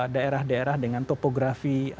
daerah daerah dengan topografi